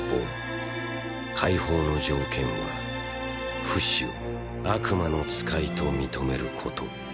解放の条件はフシを悪魔の使いと認めること。